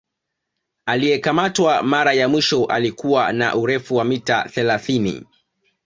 Aliyekamatwa mara ya mwisho alikuwa na urefu wa mita thelathini